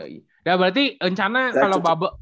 ya berarti rencana kalau babel